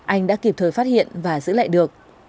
anh đã kịp thời phát hiện và giữ lại được